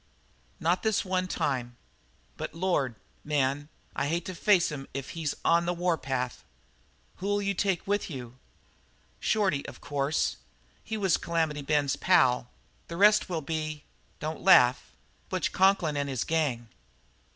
"Not this one time. But, Lord, man, I hate to face him if he's on the warpath. Who'll you take with you?" "Shorty, of course. He was Calamity Ben's pal. The rest will be don't laugh Butch Conklin and his gang."